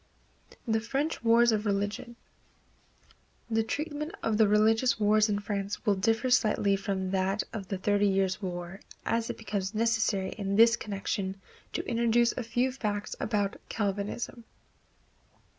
The French Wars of Religion. The treatment of the religious wars in France will differ slightly from that of the Thirty Years' War, as it becomes necessary in this connection to introduce a few facts about Calvinism.